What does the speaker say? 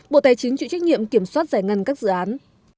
bộ tài chính chịu trách nhiệm kiểm soát giải ngân các dự án